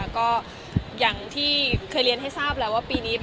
ก็อย่างที่เคยเรียนให้ทราบแล้วว่าปีนี้